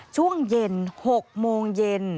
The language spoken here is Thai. ช่วงเย็น๖โมงเย็น